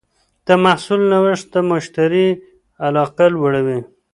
د محصول نوښت د مشتری علاقه لوړوي.